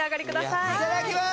・いただきます